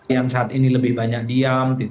yang saat ini lebih banyak diam